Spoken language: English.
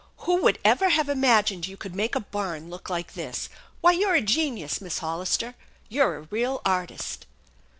" Who would ever have imagined you could make a barn look like this? Why, you're a genius, Miss Hollister. You're a real artist."